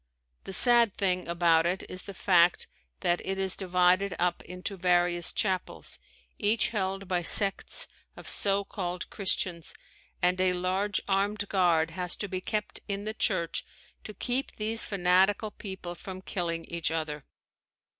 The sad thing about it is the fact that it is divided up into various chapels, each held by sects of so called Christians, and a large armed guard has to be kept in the church to keep these fanatical people from killing each other.